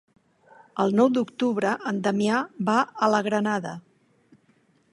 El nou d'octubre en Damià va a la Granada.